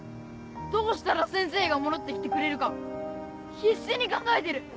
どうしたら先生が戻って来てくれるか必死に考えてる。